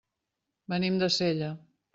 Venim de Sella.